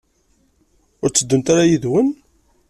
Ur tteddunt ara yid-wen?